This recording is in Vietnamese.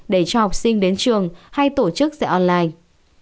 để cho học sinh đến trường hay tổ chức dạy online